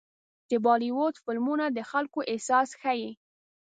د بالیووډ فلمونه د خلکو احساس ښيي.